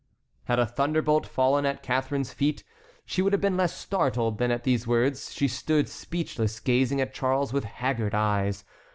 Had a thunderbolt fallen at Catharine's feet she would have been less startled than at these words. She stood speechless, gazing at Charles with haggard eyes.